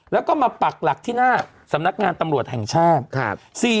แล้วก็มาปักหลักที่หน้าสำนักงานตำรวจแห่งชาติ